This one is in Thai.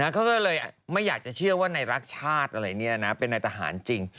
เขาก็เลยไม่อยากจะเชื่อว่าในรักชาติอะไรเป็นในทหารจริง